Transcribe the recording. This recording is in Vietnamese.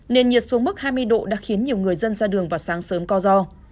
nền nhiệt xuống mức hai mươi độ đã khiến nhiều người dân ra đường vào sáng sớm co do